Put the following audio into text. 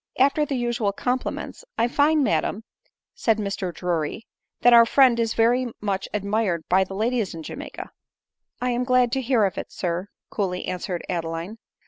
After the usual compliments ;—" I find, madam/' said Mr Drury, " that our friend is very much admired by the ladies in Jamiaca.' 9 " I am glad to hear it, sir, 9 ' coolly answered Adeline.